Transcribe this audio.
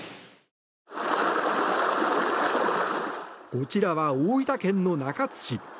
こちらは大分県の中津市。